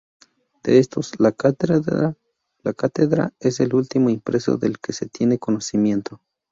De estos, "La Cátedra" es el último impreso del que se tiene conocimiento.